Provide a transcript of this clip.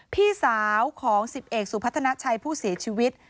พี่สาวของ๑๑สูบพัฒนาชายผู้เสียชีวิต